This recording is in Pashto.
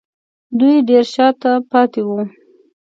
دوی ډېر شا ته پاتې وو